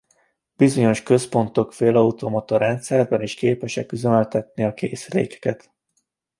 Bizonyos központok félautomata rendszerben is képesek üzemeltetni a készülékeket.